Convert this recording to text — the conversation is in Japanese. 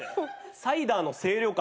サイダーの清涼感